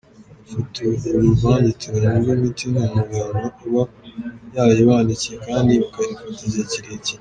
“Bafata uruvangitirane rw’imiti…nta muganga uba yayibandikiye kandi bakayifata igihe kirekire”.